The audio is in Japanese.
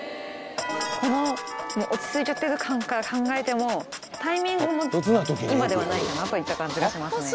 この落ち着いちゃってる感から考えてもタイミングも今ではないかなといった感じがしますね。